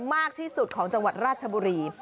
มากที่สุดของจังหวัดราชบุรี